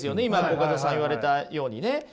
今コカドさん言われたようにね。